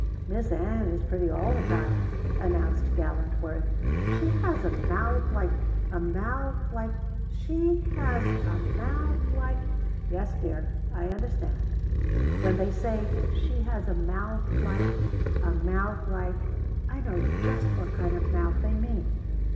"Miss Ann is pretty all the time," announced gallant Worth. "She has a mouth like a mouth like She has a mouth like " "Yes dear, I understand. When they say 'She has a mouth like a mouth like ' I know just what kind of mouth they mean."